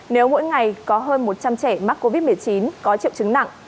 nếu mỗi ngày có hơn một trăm linh trẻ mắc covid một mươi chín có triệu chứng nặng